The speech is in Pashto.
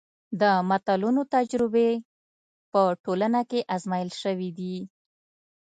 د متلونو تجربې په ټولنه کې ازمایل شوي دي